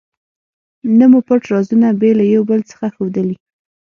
نه مو پټ رازونه بې له یو بل څخه ښودلي.